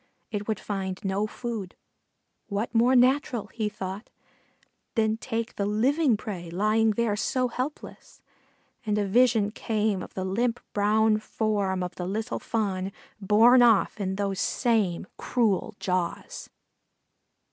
It would find no food; what more natural, he thought, than take the living prey lying there so helpless? And a vision came of the limp brown form of the little Fawn, borne off in those same cruel jaws.